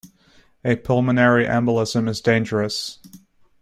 A Pulmonary Embolism is dangerous.